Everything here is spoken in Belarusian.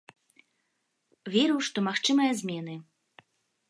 Верыў, што магчымыя змены.